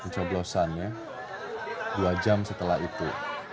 coblosannya dua jam setelah itu